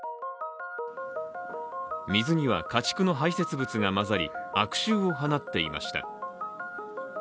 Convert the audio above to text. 水には家畜の排せつ物が混ざり悪臭を放っていました。